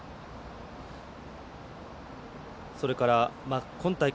それから、今大会